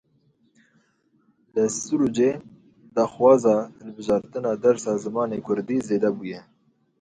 Li Sirûcê daxwaza hilbijartina dersa zimanê kurdî zêde bûye.